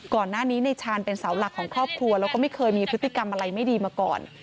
ก่อนหน้านี้ในชาญเป็นเสาหลักของครอบครัวแล้วก็ไม่เคยมีพฤติกรรมอะไรไม่ดีมาก่อน